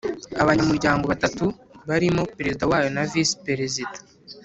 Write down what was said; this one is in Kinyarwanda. abanyamuryango batatu barimo Perezida wayo na Visi perezida.